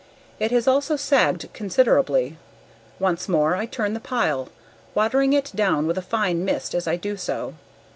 It has also sagged considerably. Once more I turn the pile, watering it down with a fine mist as I do so.